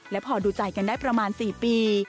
และพอดูใจกันได้ประมาณ๔ปี